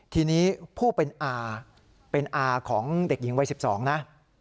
ทีนี้ผู้เป็นอาเป็นอาของเด็กหญิงวัย๑๒นะ